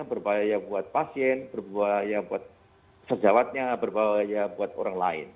berbahaya buat pasien berbahaya buat sejawatnya berbahaya buat orang lain